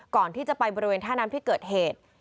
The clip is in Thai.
ก่อนที่จะไปบริเวณท่าน้ำที่เกิดเหตุ